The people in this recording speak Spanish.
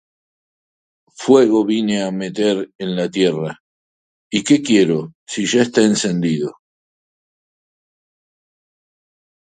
Fuego vine á meter en la tierra: ¿y qué quiero, si ya está encendido?